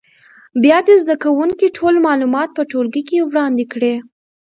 بیا دې زده کوونکي ټول معلومات په ټولګي کې وړاندې کړي.